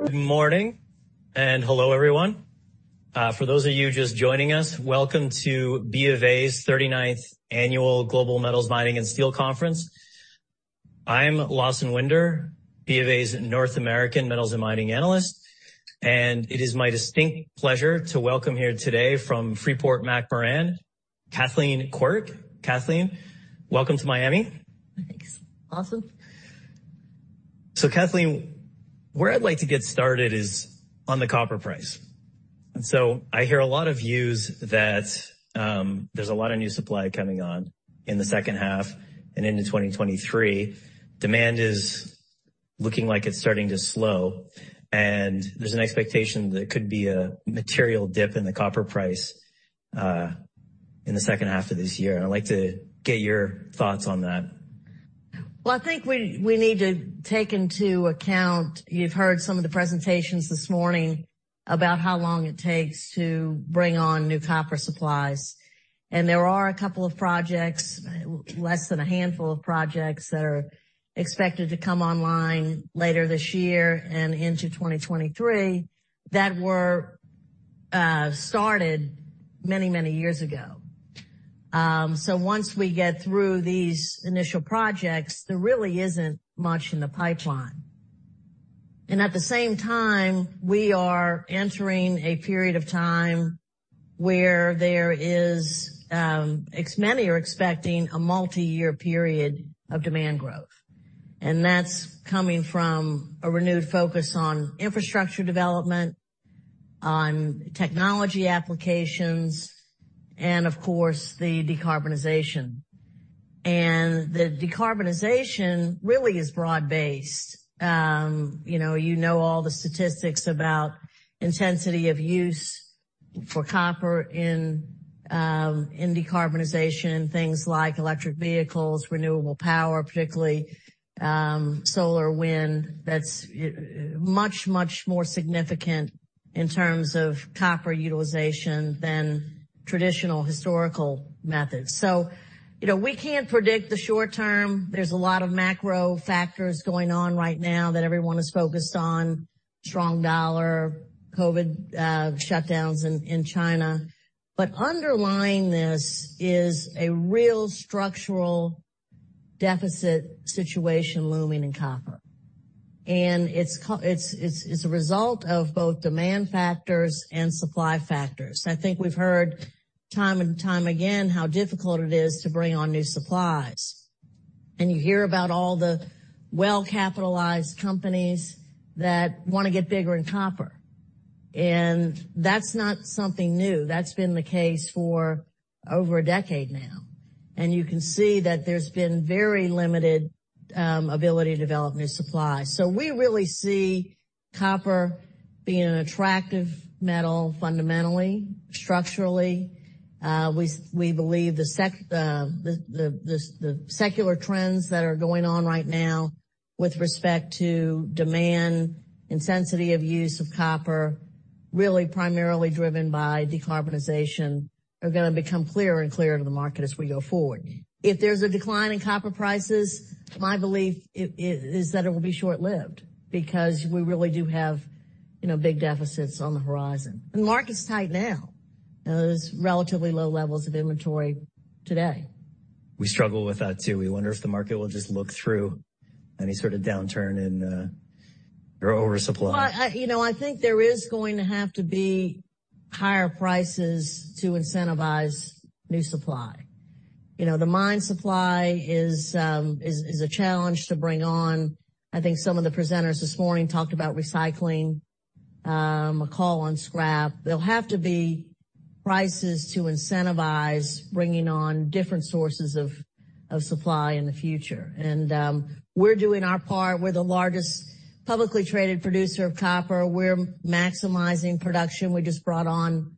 Good morning, and hello, everyone. For those of you just joining us, welcome to BofA's 39th Annual Global Metals, Mining and Steel Conference. I'm Lawson Winder, BofA's North American Metals and Mining analyst, and it is my distinct pleasure to welcome here today from Freeport-McMoRan, Kathleen Quirk. Kathleen, welcome to Miami. Thanks. Awesome. Kathleen, where I'd like to get started is on the copper price. I hear a lot of views that there's a lot of new supply coming on in the second half and into 2023. Demand is looking like it's starting to slow, and there's an expectation that it could be a material dip in the copper price in the second half of this year. I'd like to get your thoughts on that. Well, I think we need to take into account. You've heard some of the presentations this morning about how long it takes to bring on new copper supplies. There are a couple of projects less than a handful of projects that are expected to come online later this year and into 2023 that were started many years ago. Once we get through these initial projects there really isn't much in the pipeline. At the same time, we are entering a period of time where many are expecting a multi-year period of demand growth. That's coming from a renewed focus on infrastructure development on technology applications, and of course, the decarbonization. The decarbonization really is broad-based. You know all the statistics about intensity of use for copper in decarbonization, things like electric vehicles, renewable power, particularly solar wind. That's much more significant in terms of copper utilization than traditional historical methods. You know, we can't predict the short term. There's a lot of macro factors going on right now that everyone is focused on. Strong dollar, COVID, shutdowns in China. Underlying this is a real structural deficit situation looming in copper. It's a result of both demand factors and supply factors. I think we've heard time and time again how difficult it is to bring on new supplies. You hear about all the well-capitalized companies that wanna get bigger in copper. That's not something new. That's been the case for over a decade now. You can see that there's been very limited ability to develop new supply. So we really see copper being an attractive metal, fundamentally, structurally. We believe the secular trends that are going on right now with respect to demand, intensity of use of copper, really primarily driven by decarbonization, are gonna become clearer and clearer to the market as we go forward. If there's a decline in copper prices, my belief is that it will be short-lived because we really do have, you know, big deficits on the horizon. The market's tight now. There's relatively low levels of inventory today. We struggle with that, too. We wonder if the market will just look through any sort of downturn in your oversupply. Well, you know, I think there is going to have to be higher prices to incentivize new supply. You know, the mine supply is a challenge to bring on. I think some of the presenters this morning talked about recycling, a call on scrap. There'll have to be prices to incentivize bringing on different sources of supply in the future. We're doing our part. We're the largest publicly traded producer of copper. We're maximizing production. We just brought on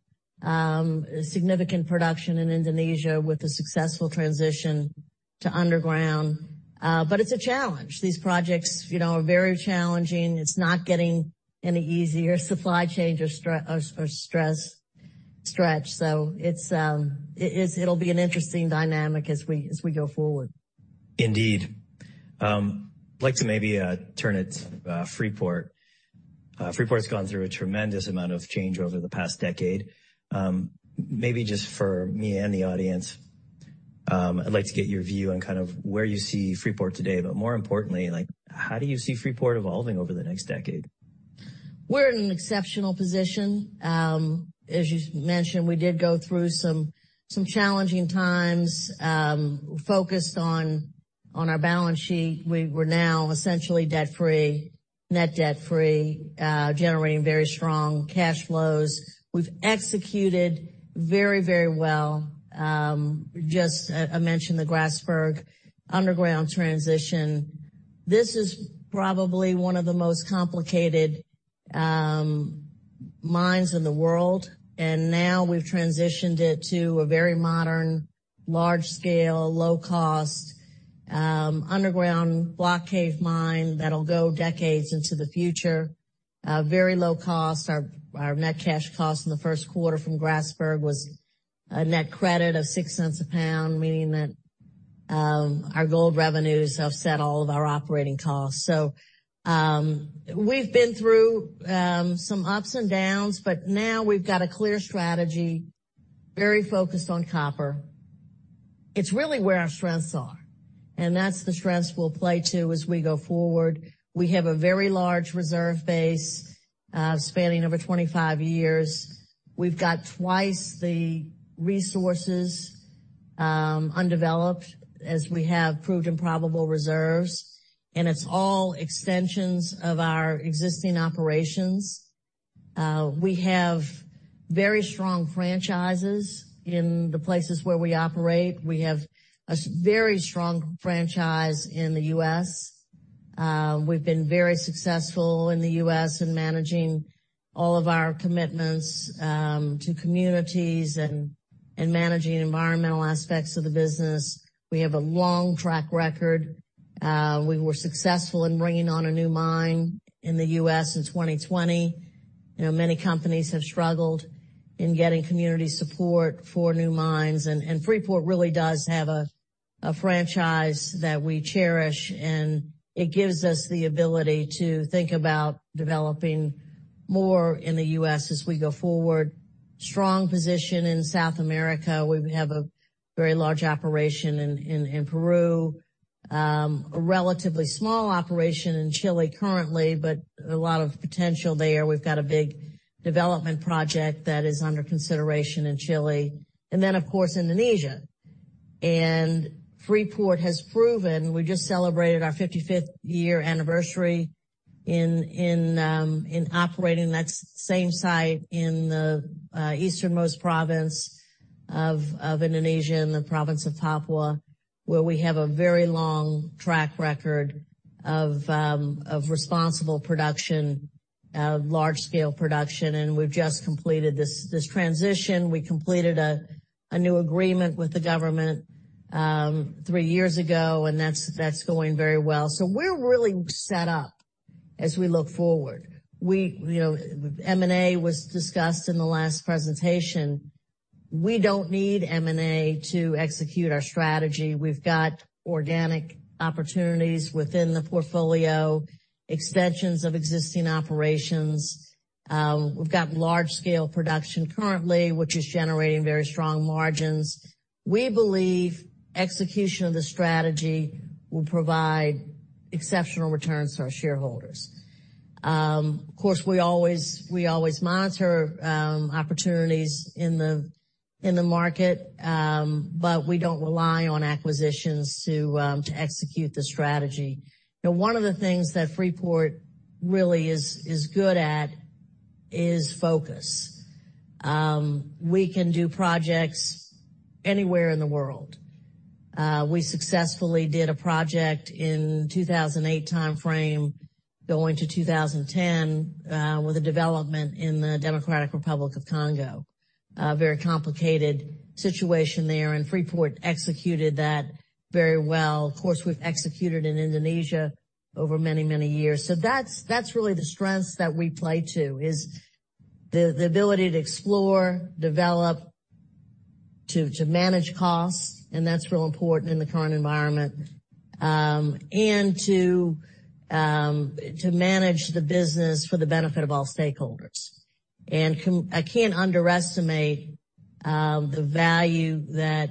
significant production in Indonesia with a successful transition to underground. It's a challenge. These projects, you know are very challenging. It's not getting any easier. Supply chains are stretched. It'll be an interesting dynamic as we go forward. Indeed. I'd like to maybe turn it to Freeport-McMoRan. Freeport-McMoRan's gone through a tremendous amount of change over the past decade. Maybe just for me and the audience, I'd like to get your view on kind of where you see Freeport-McMoRan today, but more importantly, like, how do you see Freeport-McMoRan evolving over the next decade? We're in an exceptional position. As you mentioned, we did go through some challenging times, focused on our balance sheet. We were now essentially debt-free, net debt-free, generating very strong cash flows. We've executed very well. I mentioned the Grasberg underground transition. This is probably one of the most complicated mines in the world. Now we've transitioned it to a very modern, large scale, low cost underground block cave mine that'll go decades into the future. Very low cost. Our net cash cost in the first quarter from Grasberg was a net credit of $0.06 per pound, meaning that our gold revenues have offset all of our operating costs. We've been through some ups and downs but now we've got a clear strategy very focused on copper. It's really where our strengths are, and that's the strengths we'll play to as we go forward. We have a very large reserve base, spanning over 25 years. We've got twice the resources, undeveloped as we have proven and probable reserves, and it's all extensions of our existing operations. We have very strong franchises in the places where we operate. We have a very strong franchise in the U.S. We've been very successful in the U.S. in managing all of our commitments to communities and managing environmental aspects of the business. We have a long track record. We were successful in bringing on a new mine in the U.S. in 2020. You know, many companies have struggled in getting community support for new mines, and Freeport really does have a franchise that we cherish, and it gives us the ability to think about developing more in the U.S. as we go forward. Strong position in South America. We have a very large operation in Peru. A relatively small operation in Chile currently, but a lot of potential there. We've got a big development project that is under consideration in Chile. Then, of course, Indonesia. Freeport has proven, we just celebrated our 55th year anniversary in operating that same site in the easternmost province of Indonesia, in the province of Papua, where we have a very long track record of responsible production large-scale production. We've just completed this transition. We completed a new agreement with the government 3 years ago, and that's going very well. We're really set up as we look forward. We, you know, M&A was discussed in the last presentation. We don't need M&A to execute our strategy. We've got organic opportunities within the portfolio, extensions of existing operations. We've got large-scale production currently which is generating very strong margins. We believe execution of the strategy will provide exceptional returns to our shareholders. Of course, we always monitor opportunities in the market but we don't rely on acquisitions to execute the strategy. Now, one of the things that Freeport really is good at is focus. We can do projects anywhere in the world. We successfully did a project in 2008 timeframe going to 2010, with a development in the Democratic Republic of Congo. A very complicated situation there, and Freeport executed that very well. Of course, we've executed in Indonesia over many, many years. That's really the strengths that we play to is the ability to explore, develop, to manage costs, and that's real important in the current environment, and to manage the business for the benefit of all stakeholders. I can't underestimate the value that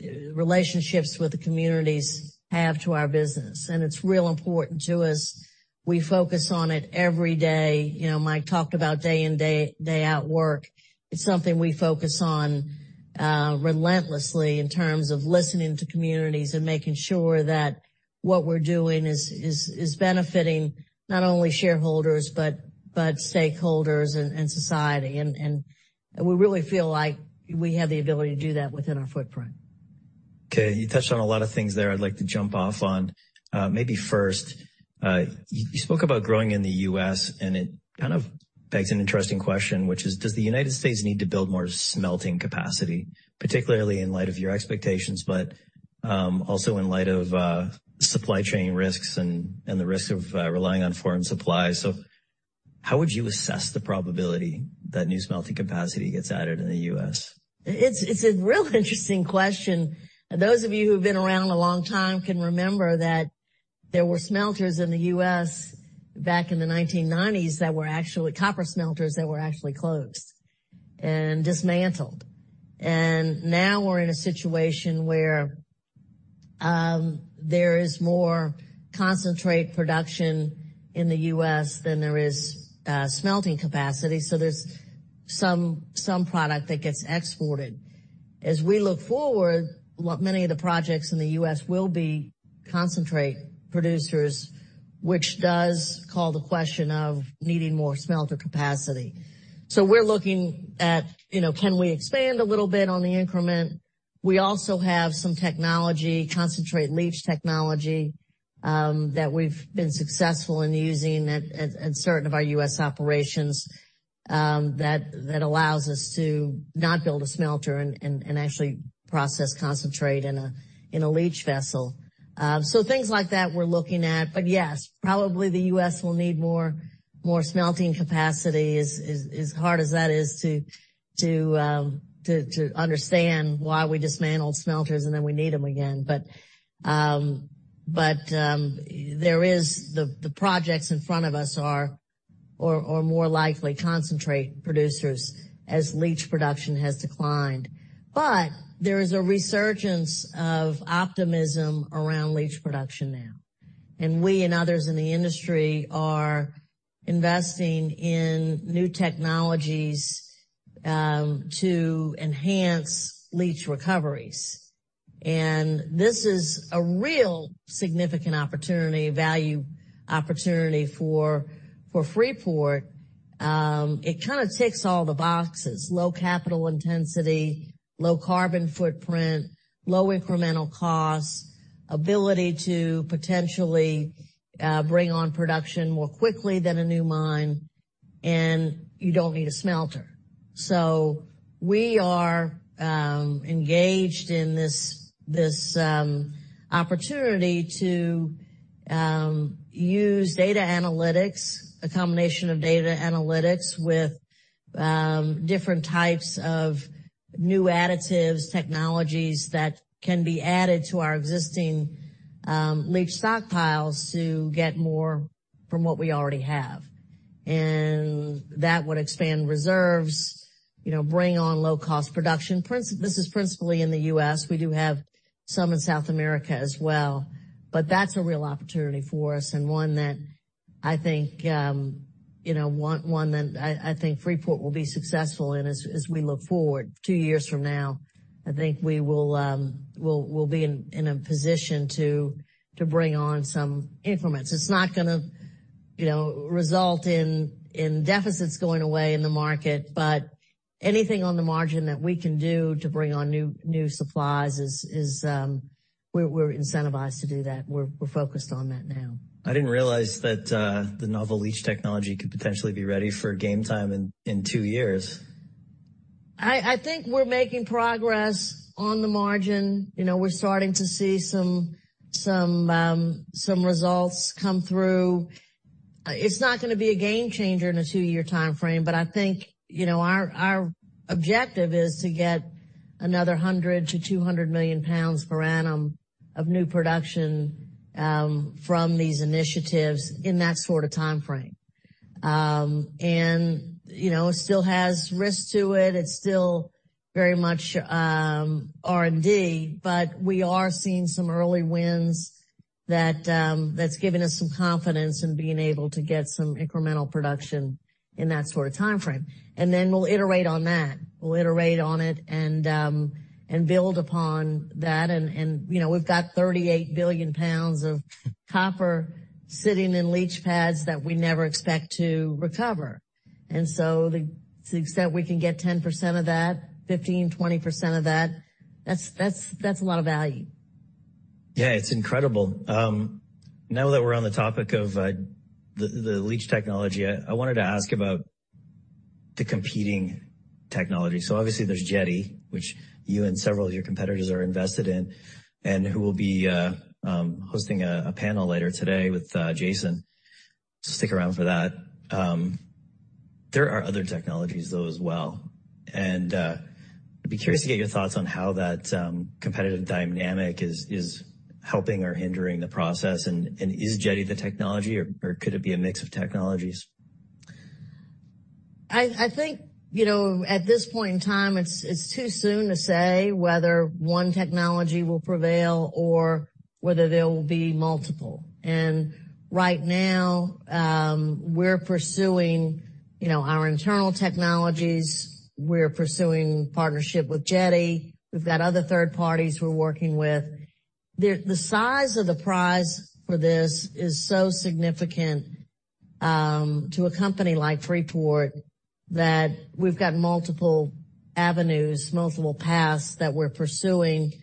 relationships with the communities have to our business, and it's real important to us. We focus on it every day. You know, Mike talked about day in, day out work. It's something we focus on relentlessly in terms of listening to communities and making sure that what we're doing is benefiting not only shareholders, but stakeholders and society. We really feel like we have the ability to do that within our footprint. Okay. You touched on a lot of things there I'd like to jump off on. Maybe first, you spoke about growing in the U.S., and it kind of begs an interesting question, which is, does the United States need to build more smelting capacity, particularly in light of your expectations, but also in light of supply chain risks and the risk of relying on foreign supplies? How would you assess the probability that new smelting capacity gets added in the U.S.? It's a real interesting question. Those of you who've been around a long time can remember that there were smelters in the U.S. back in the 1990s that were actually copper smelters that were actually closed and dismantled. Now we're in a situation where there is more concentrate production in the U.S. than there is smelting capacity. There's some product that gets exported. As we look forward, what many of the projects in the U.S. will be concentrate producers, which does call the question of needing more smelter capacity. We're looking at, you know, can we expand a little bit on the increment? We also have some technology, concentrate leach technology, that we've been successful in using at certain of our U.S. operations, that allows us to not build a smelter and actually process concentrate in a leach vessel. Things like that we're looking at. Yes, probably the U.S. will need more smelting capacity as hard as that is to understand why we dismantled smelters and then we need them again. The projects in front of us are more likely concentrate producers as leach production has declined. There is a resurgence of optimism around leach production now. We and others in the industry are investing in new technologies to enhance leach recoveries. This is a real significant opportunity, value opportunity for Freeport. It kind of ticks all the boxes. Low capital intensity, low carbon footprint, low incremental cost, ability to potentially bring on production more quickly than a new mine and you don't need a smelter. We are engaged in this opportunity to use data analytics, a combination of data analytics with different types of new additives, technologies that can be added to our existing leach stockpiles to get more from what we already have. That would expand reserves, bring on low-cost production. This is principally in the U.S. We do have some in South America as well. That's a real opportunity for us and one that I think Freeport will be successful in as we look forward. 2 years from now I think we'll be in a position to bring on some increments. It's not gonna result in deficits going away in the market, but anything on the margin that we can do to bring on new supplies is. We're incentivized to do that. We're focused on that now. I didn't realize that the novel leach technology could potentially be ready for game time in 2 years. I think we're making progress on the margin. You know, we're starting to see some results come through. It's not gonna be a game changer in a 2-year timeframe, but I think, you know our objective is to get another 100 million-200 million pounds per annum of new production from these initiatives in that sort of timeframe. You know, it still has risks to it. It's still very much R&D but we are seeing some early wins that's given us some confidence in being able to get some incremental production in that sort of timeframe. Then we'll iterate on that. We'll iterate on it and build upon that. You know, we've got 38 billion pounds of copper sitting in leach pads that we never expect to recover. To the extent we can get 10% of that, 15%, 20% of that's a lot of value. Yeah, it's incredible. Now that we're on the topic of the leach technology, I wanted to ask about the competing technology. Obviously, there's Jetti, which you and several of your competitors are invested in and who will be hosting a panel later today with Jason. Stick around for that. There are other technologies, though, as well. I'd be curious to get your thoughts on how that competitive dynamic is helping or hindering the process. Is Jetti the technology or could it be a mix of technologies? I think, you know, at this point in time, it's too soon to say whether one technology will prevail or whether there will be multiple. Right now, we're pursuing, you know, our internal technologies. We're pursuing partnership with Jetti. We've got other third parties we're working with. The size of the prize for this is so significant to a company like Freeport that we've got multiple avenues, multiple paths that we're pursuing.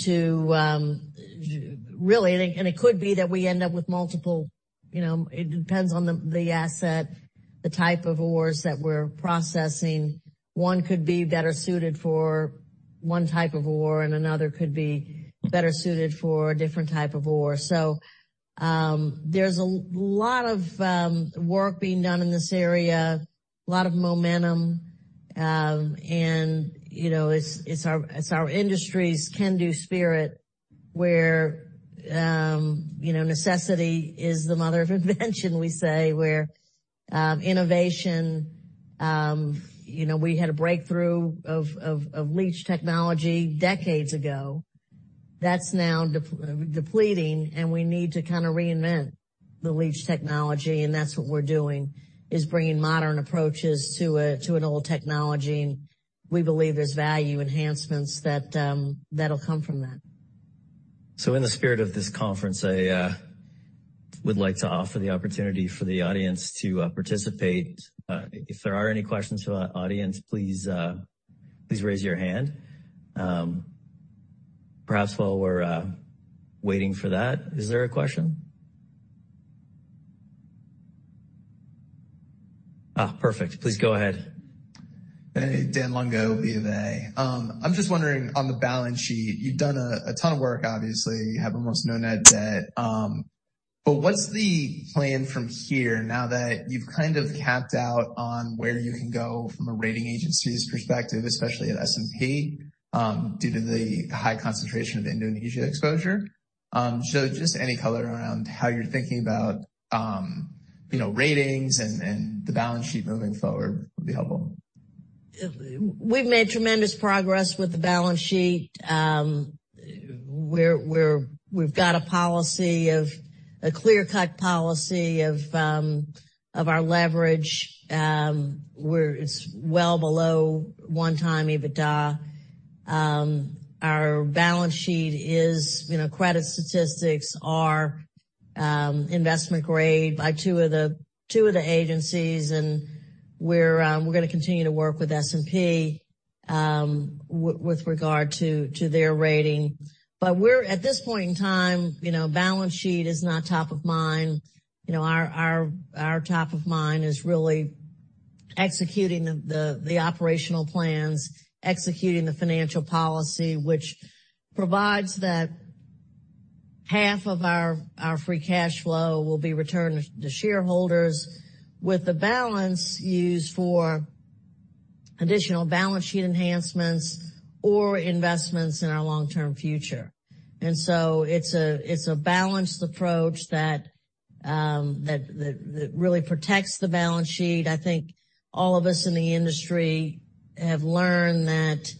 It could be that we end up with multiple, you know, it depends on the asset, the type of ores that we're processing. One could be better suited for one type of ore, and another could be better suited for a different type of ore. There's a lot of work being done in this area, a lot of momentum. You know, it's our industry's can-do spirit where you know, necessity is the mother of invention, we say, where innovation you know, we had a breakthrough of leach technology decades ago. That's now depleting, and we need to kinda reinvent the leach technology, and that's what we're doing is bringing modern approaches to an old technology. We believe there's value enhancements that'll come from that. In the spirit of this conference, I would like to offer the opportunity for the audience to participate. If there are any questions from our audience, please raise your hand. Perhaps while we're waiting for that, is there a question? Perfect. Please go ahead. Hey, Dan Lungo, BofA. I'm just wondering, on the balance sheet, you've done a ton of work, obviously. You have almost no net debt. But what's the plan from here now that you've kind of capped out on where you can go from a rating agency's perspective, especially at S&P, due to the high concentration of Indonesia exposure? Just any color around how you're thinking about, you know, ratings and the balance sheet moving forward would be helpful. We've made tremendous progress with the balance sheet. We've got a clear-cut policy of our leverage. It's well below 1x EBITDA. Our balance sheet is, you know, credit statistics are investment-grade by two of the agencies, and we're gonna continue to work with S&P with regard to their rating. We're at this point in time, you know, balance sheet is not top of mind. You know, our top of mind is really executing the operational plans, executing the financial policy which provides that half of our free cash flow will be returned to shareholders with the balance used for additional balance sheet enhancements or investments in our long-term future. It's a balanced approach that really protects the balance sheet. I think all of us in the industry have learned that,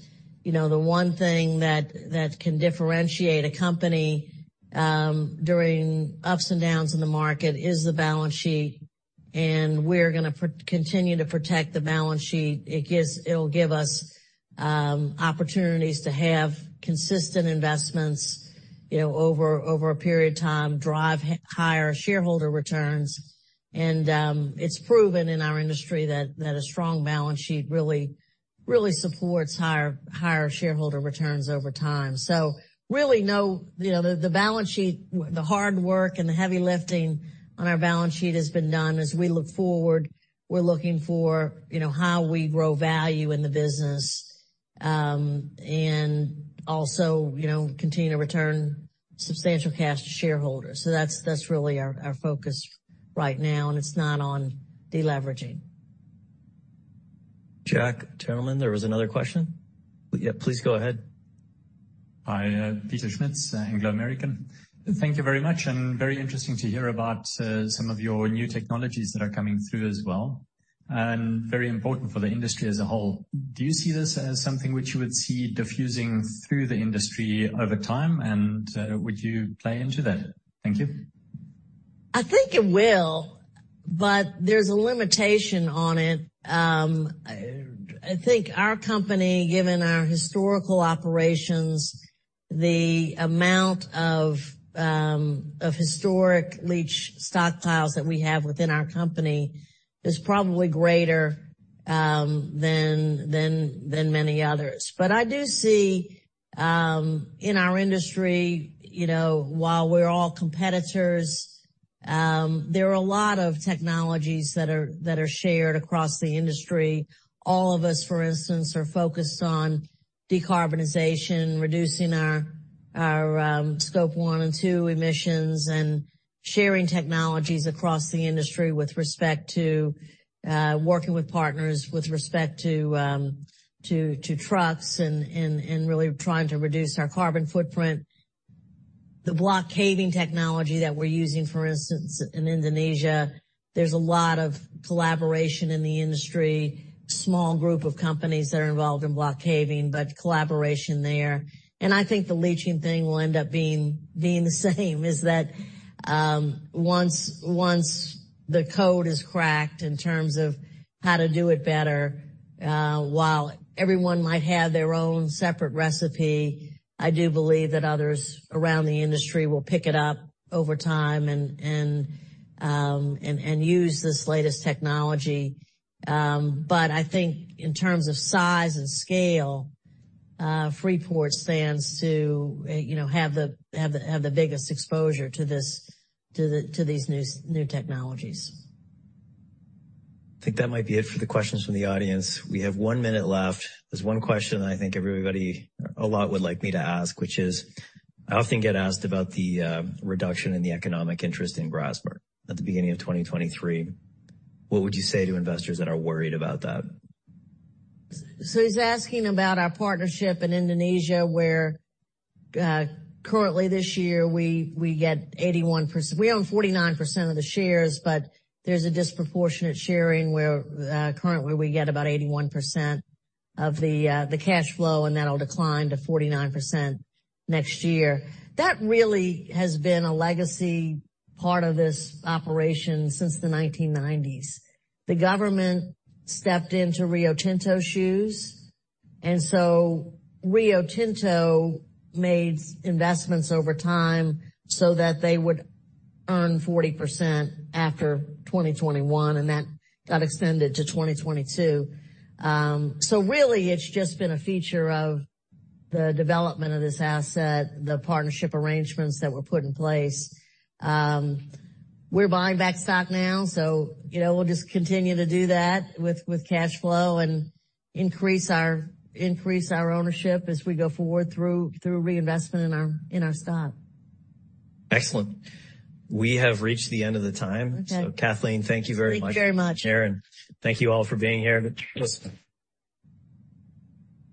you know, the one thing that can differentiate a company during ups and downs in the market is the balance sheet, and we're gonna continue to protect the balance sheet. It'll give us opportunities to have consistent investments, you know, over a period of time drive higher shareholder returns. It's proven in our industry that a strong balance sheet really supports higher shareholder returns over time. Really, no, you know, the balance sheet, the hard work and the heavy lifting on our balance sheet has been done. As we look forward, we're looking for, you know, how we grow value in the business, and also, you know, continue to return substantial cash to shareholders. That's really our focus right now and it's not on deleveraging. [Jack Turnleman], there was another question. Yeah, please go ahead. Hi. Peter Schmitz, Anglo American. Thank you very much, and very interesting to hear about some of your new technologies that are coming through as well, and very important for the industry as a whole. Do you see this as something which you would see diffusing through the industry over time, and would you play into that? Thank you. I think it will, but there's a limitation on it. I think our company, given our historical operations, the amount of historic leach stockpiles that we have within our company is probably greater than many others. I do see in our industry, you know, while we're all competitors, there are a lot of technologies that are shared across the industry. All of us, for instance, are focused on decarbonization reducing our Scope 1 and 2 emissions and sharing technologies across the industry with respect to working with partners, with respect to trucks and really trying to reduce our carbon footprint. The block caving technology that we're using, for instance, in Indonesia, there's a lot of collaboration in the industry, small group of companies that are involved in block caving, but collaboration there. I think the leaching thing will end up being the same, is that, once the code is cracked in terms of how to do it better, while everyone might have their own separate recipe, I do believe that others around the industry will pick it up over time and use this latest technology. I think in terms of size and scale, Freeport stands to, you know, have the biggest exposure to these new technologies. I think that might be it for the questions from the audience. We have 1 minute left. There's one question that I think everybody, a lot would like me to ask, which is, I often get asked about the reduction in the economic interest in Grasberg at the beginning of 2023. What would you say to investors that are worried about that? He's asking about our partnership in Indonesia, where currently this year we get 81%. We own 49% of the shares, but there's a disproportionate sharing where currently we get about 81% of the cash flow, and that'll decline to 49% next year. That really has been a legacy part of this operation since the 1990s. The government stepped into Rio Tinto's shoes, and Rio Tinto made investments over time so that they would earn 40% after 2021, and that got extended to 2022. Really it's just been a feature of the development of this asset the partnership arrangements that were put in place. We're buying back stock now, so, you know, we'll just continue to do that with cash flow and increase our ownership as we go forward through reinvestment in our stock. Excellent. We have reached the end of the time. Okay. Kathleen, thank you very much. Thank you very much. Thank you all for being here and listening.